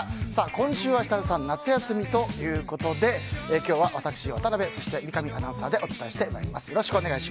今週は設楽さんが夏休みなので今日は私、渡辺そして三上アナウンサーでお伝えしてまいります。